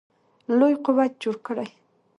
لوی قوت جوړ کړي.